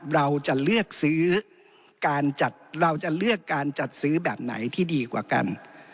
เราจะเลือกการจัดซื้อแบบไหนที่ดีกว่ากัน